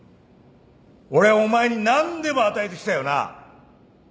俺はお前に何でも与えてきたよな？